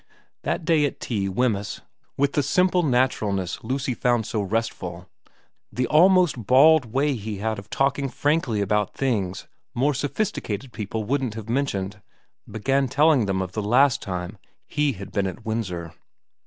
That day at tea Wemyss, with the simple naturalness Lucy found so restful, the almost bald way he had of talking frankly about things more sophisticated people wouldn't have mentioned, began telling them of the last time he had been at Windsor.